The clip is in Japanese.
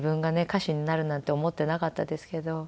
歌手になるなんて思ってなかったですけど。